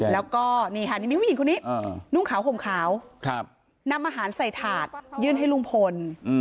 แล้วก็นี่ค่ะนี่มีผู้หญิงคนนี้นุ่งขาวห่มขาวนำอาหารใส่ถาดยื่นให้ลุงพล